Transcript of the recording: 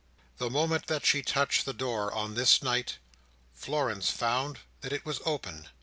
The moment that she touched the door on this night, Florence found that it was open.